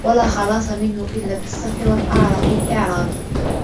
وَلَا خَلَاصَ مِنْهُ إلَّا بِالصَّفْحِ وَالْإِعْرَاضِ